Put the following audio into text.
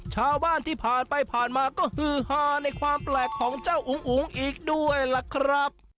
ชาวบ้านที่ผ่านไปผ่านมาก็ฮือฮาในความแปลกของเจ้าอุ๋งอุ๋งอีกด้วยล่ะครับ